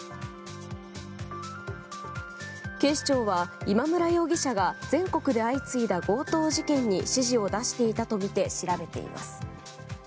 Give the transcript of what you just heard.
警視庁は、今村容疑者が全国で相次いだ強盗事件に指示を出していたとみて調べています。